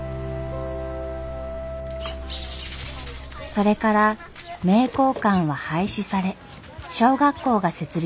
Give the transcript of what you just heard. それから名教館は廃止され小学校が設立されました。